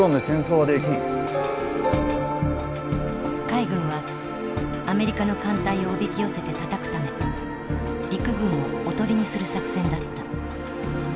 海軍はアメリカの艦隊をおびき寄せて叩くため陸軍を囮にする作戦だった。